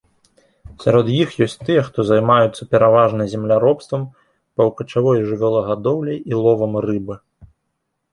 Сярод іх ёсць тыя, хто займаюцца пераважна земляробствам, паўкачавой жывёлагадоўляй і ловам рыбы.